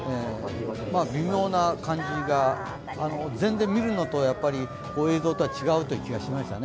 微妙な感じが、全然見るのと映像とは違うというような気がしましたね。